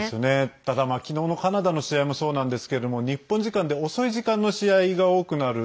ただ、昨日のカナダの試合もそうなんですけど日本時間で遅い時間の試合が多くなる。